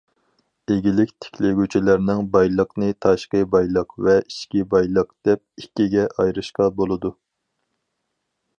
ئىگىلىك تىكلىگۈچىلەرنىڭ بايلىقىنى تاشقى بايلىق ۋە ئىچكى بايلىق، دەپ ئىككىگە ئايرىشقا بولىدۇ.